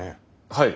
はい。